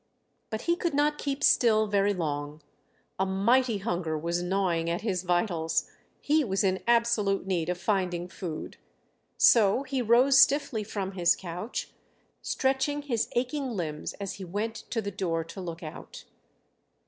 But he could not keep still very long; a mighty hunger was gnawing at his vitals, he was in absolute need of finding food; so he rose stiffly from his couch, stretching his aching limbs as he went to the door to look out.